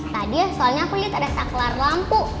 tadi ya soalnya aku lihat ada saklar lampu